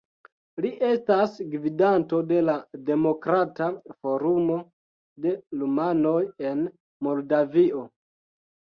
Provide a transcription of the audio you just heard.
Li estas gvidanto de la Demokrata Forumo de Rumanoj en Moldavio.